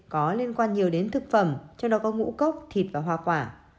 có liên quan nhiều đến thực phẩm trong đó có ngũ cốc thịt và hoa quả